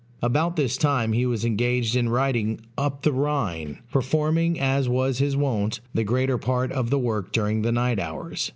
About this time he was engaged in writing Up the Rhine; performing, as was his wont, the greater part of the work during the night hours.